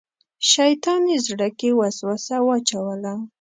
شیطان یې زړه کې وسوسه واچوله.